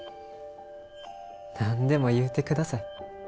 何でも言うて下さい。